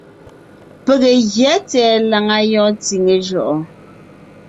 Pege gyɛ́ tsɛ̀ɛ làŋa yɔɔn tsíŋe jʉʼɔɔn.